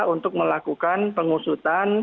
untuk melakukan pengusutan